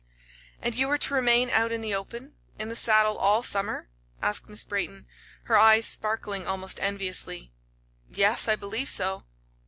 "And you are to remain out in the open in the saddle all summer?" asked Miss Brayton, her eyes sparkling almost enviously. "Yes; I believe so."